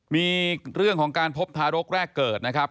มีเรื่องของการพบทารกแรกเกิดนะครับ